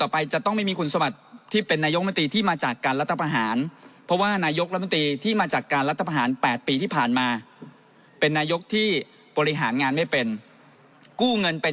๘ปีที่ผ่านมาเป็นนายกที่บริหารงานไม่เป็นกู้เงินเป็น